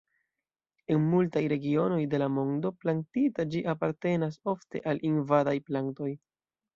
En multaj regionoj de la mondo plantita ĝi apartenas ofte al invadaj plantoj.